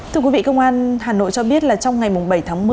thưa quý vị công an hà nội cho biết là trong ngày bảy tháng một mươi